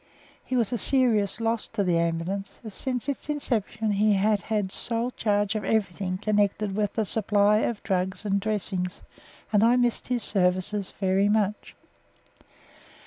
He was a serious loss to the Ambulance, as since its inception he had had sole charge of everything connected with the supply of drugs and dressings, and I missed his services very much.